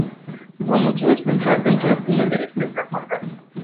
Vă mulțumesc pentru atenția plină de respect acordată.